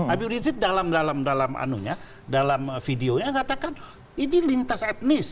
abi urizit dalam videonya mengatakan ini lintas etnis